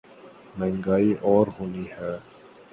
مہنگائی اور ہونی ہے۔